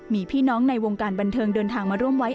มีพี่น้องในวงการบันเทิงเดินทางมาร่วมไว้